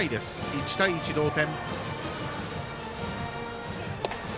１対１、同点。